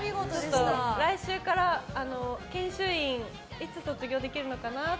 来週から研修員いつ卒業できるのかなって。